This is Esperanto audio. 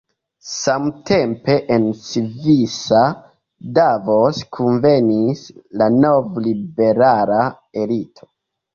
Samtempe en svisa Davos kunvenis la novliberala elito.